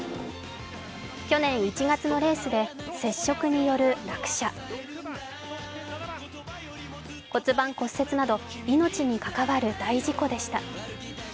去年１月のレースで接触による落車骨盤骨折など命に関わる大事故でした。